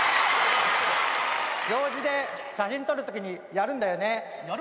行事で写真撮るときにやるんだよね。